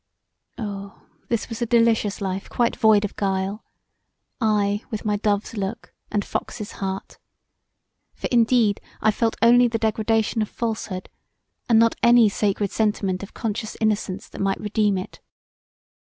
Oh, this was a delicious life quite void of guile! I with my dove's look and fox's heart: for indeed I felt only the degradation of falsehood, and not any sacred sentiment of conscious innocence that might redeem it.